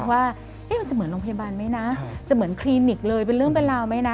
ว่ามันจะเหมือนโรงพยาบาลไหมนะ